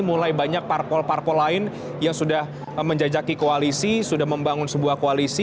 mulai banyak parpol parpol lain yang sudah menjajaki koalisi sudah membangun sebuah koalisi